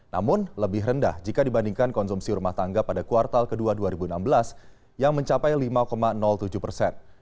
namun lebih rendah jika dibandingkan konsumsi rumah tangga pada kuartal ke dua dua ribu enam belas yang mencapai lima tujuh persen